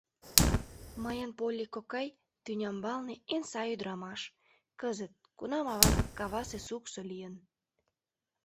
Мыйын Полли кокай тӱнямбалне эн сай ӱдырамаш... кызыт, кунам авам кавасе суксо лийын.